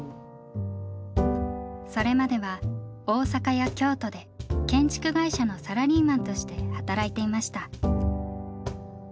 それまでは大阪や京都で建築会社のサラリーマンとして働いていました。